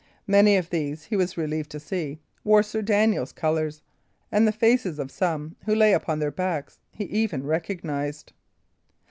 Many of these, he was relieved to see, wore Sir Daniel's colours, and the faces of some, who lay upon their back, he even recognised.